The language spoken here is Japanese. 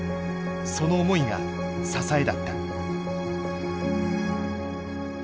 その思いが支えだった。